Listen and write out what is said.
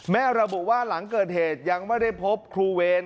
ระบุว่าหลังเกิดเหตุยังไม่ได้พบครูเวร